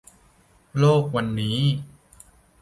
โลกวันนี้